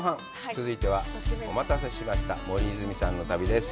続いては、お待たせしました森泉さんの旅です。